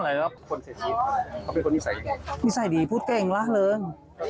ไม่มีรักทั้งหรอกครับพูดเก่งละเบิร์น